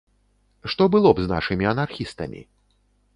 Што было б з нашымі анархістамі?